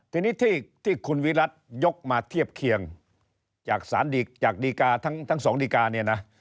ทีนี้ที่คุณวิรัติยกมาเทียบเคียงจากสารดีจากดีกาทั้งสองดีการเนี่ยนะ